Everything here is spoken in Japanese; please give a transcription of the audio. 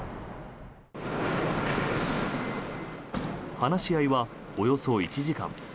話し合いはおよそ１時間。